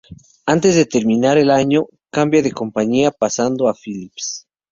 Antes de terminar el año, cambia de compañía, pasando a Phillips.